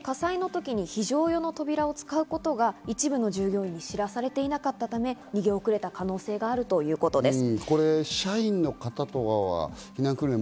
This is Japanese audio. そのため火災のときに非常用の扉を使うことが一部の従業員に知らされていなかったため逃げ遅れた可能性があるということです。